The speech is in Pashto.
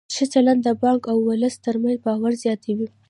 ښه چلند د بانک او ولس ترمنځ باور زیاتوي.